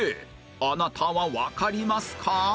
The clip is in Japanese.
あなたはわかりますか？